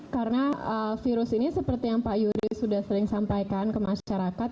karena virus ini seperti yang pak yuri sudah sering sampaikan ke masyarakat